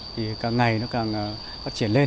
thì càng ngày nó càng phát triển lên